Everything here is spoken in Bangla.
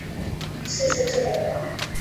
সে সহ্য করবে।